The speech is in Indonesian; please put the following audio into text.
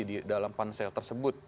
di dalam pansel tersebut